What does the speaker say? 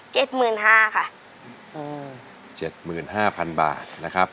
หมื่นห้าค่ะอืมเจ็ดหมื่นห้าพันบาทนะครับ